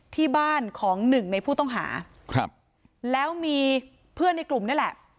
ที่บ้านของหนึ่งในผู้ต้องหาครับแล้วมีเพื่อนในกลุ่มนี่แหละ